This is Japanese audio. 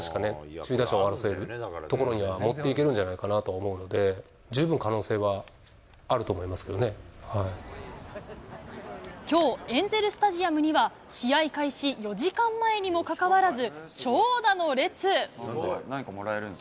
首位打者を争えるところには持っていけるんじゃないかなと思うので、十分可能きょう、エンゼルスタジアムには、試合開始４時間前にもかかわらず、長蛇の列。